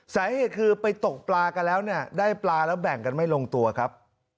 สาเหตุคือไปตกปลากันแล้วเนี่ยได้ปลาแล้วแบ่งกันไม่ลงตัวครับ